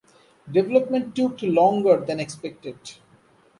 Development took longer than expected.